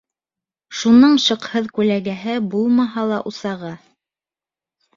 Шуның шыҡһыҙ күләгәһе Булмаһа ла усағы.